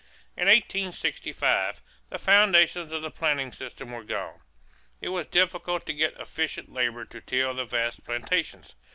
In 1865 the foundations of the planting system were gone. It was difficult to get efficient labor to till the vast plantations.